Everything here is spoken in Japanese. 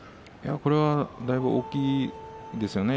これはだいぶ大きいですよね。